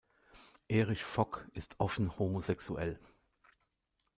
Erich Vock ist offen homosexuell.